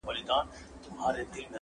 چي لا به نوري څه کانې کیږي،